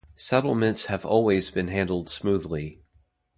Settlements have always been handled smoothly.